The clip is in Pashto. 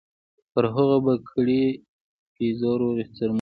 پر هغو به کړي پیرزو روغې څرمنې